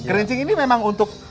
kerincing ini memang untuk